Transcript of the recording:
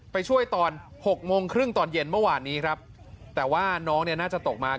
ไปช่วยตอน๖ฮกมครึ่งตอนเย็นเมื่อวานนี้แต่ว่าน้องน่าจะตกมา